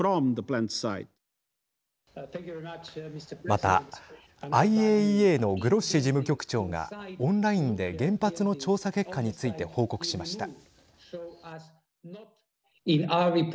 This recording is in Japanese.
またＩＡＥＡのグロッシ事務局長がオンラインで原発の調査結果について報告しました。